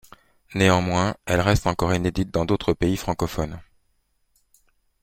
Néanmoins, elle reste encore inédite dans d'autres pays francophones.